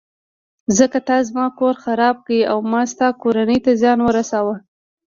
ځکه تا زما کور خراب کړ او ما ستا کورنۍ ته زیان ورساوه.